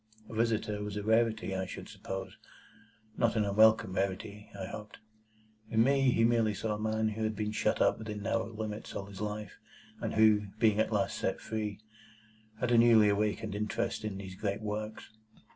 A visitor was a rarity, I should suppose; not an unwelcome rarity, I hoped? In me, he merely saw a man who had been shut up within narrow limits all his life, and who, being at last set free, had a newly awakened interest in these great works.